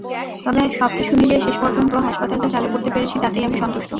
তবে সবকিছু মিলিয়ে শেষ পর্যন্ত হাসপাতালটা চালু করতে পেরেছি, তাতেই আমি সন্তুষ্ট।